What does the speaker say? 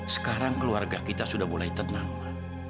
sekarang keluarga kita sudah boleh tenang ma